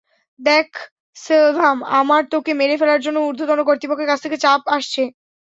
দেখ সেলভাম, আমার তোকে মেরে ফেলার জন্য ঊর্ধ্বতন কর্তৃপক্ষের কাছ থেকে চাপ আসছে।